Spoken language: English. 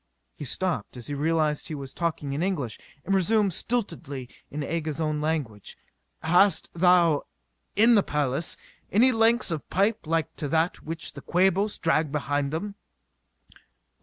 He stopped as he realized he was talking in English, and resumed stiltedly in Aga's own language. "Hast thou, in the palace, any lengths of pipe like to that which the Quabos drag behind them?"